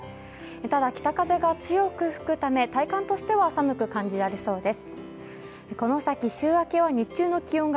ただ、北風が強く吹くため体感としては寒く感じられそうです。